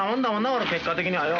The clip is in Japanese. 俺結果的にはよ。